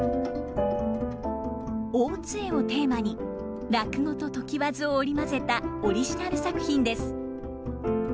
大津絵をテーマに落語と常磐津を織り交ぜたオリジナル作品です。